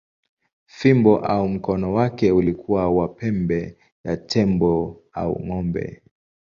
Fimbo au mkono wake ulikuwa wa pembe ya tembo au ng’ombe.